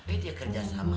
kenapa dia kerja sama